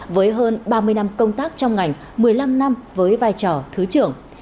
với hơn ba mươi năm công tác trong ngành một mươi năm năm với vai trò thứ trưởng